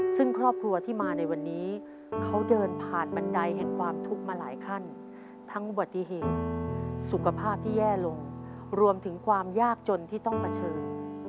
ซึ่งครอบครัวที่มาในวันนี้เขาเดินผ่านบันไดแห่งความทุกข์มาหลายขั้นทั้งอุบัติเหตุสุขภาพที่แย่ลงรวมถึงความยากจนที่ต้องเผชิญ